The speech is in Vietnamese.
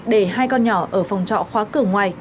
để hai con nhỏ ở phòng trọ khóa cửa ngoài